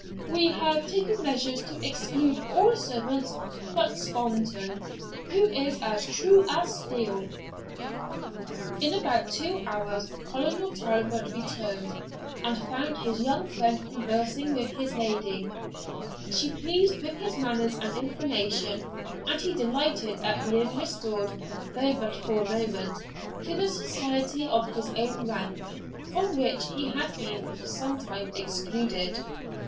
We have taken measures to exclude all servants but Spontoon, who is as true as steel.' In about two hours Colonel Talbot returned, and found his young friend conversing with his lady; she pleased with his manners and information, and he delighted at being restored, though but for a moment, to the society of his own rank, from which he had been for some time excluded.